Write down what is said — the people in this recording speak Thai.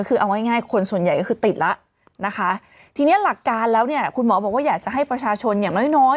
คือเอาง่ายคนส่วนใหญ่ก็คือติดแล้วนะคะทีนี้หลักการแล้วเนี่ยคุณหมอบอกว่าอยากจะให้ประชาชนอย่างน้อยน้อย